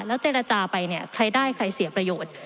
เจรจาไปเนี่ยใครได้ใครเสียประโยชน์